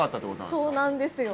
そうなんですよ。